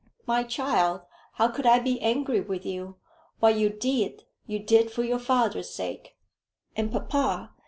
"My child, how could I be angry with you? What you did, you did for your father's sake." "And papa?